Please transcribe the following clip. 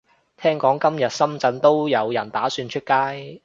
聽講今日深圳都有人打算出街